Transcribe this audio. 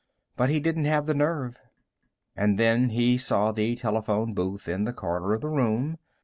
But he didn't have the nerve. And then he saw the telephone booth in the corner of the room.